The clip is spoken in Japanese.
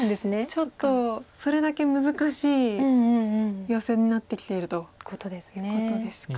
ちょっとそれだけ難しいヨセになってきているということですか。